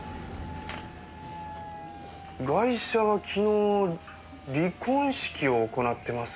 ガイシャは昨日離婚式を行ってますね。